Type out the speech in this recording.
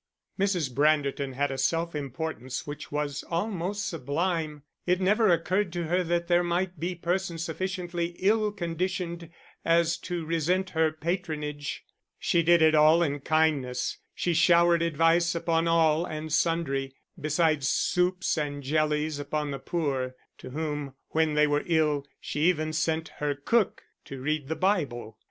Mrs. Branderton had a self importance which was almost sublime; it never occurred to her that there might be persons sufficiently ill conditioned as to resent her patronage. She did it all in kindness she showered advice upon all and sundry, besides soups and jellies upon the poor, to whom when they were ill she even sent her cook to read the Bible.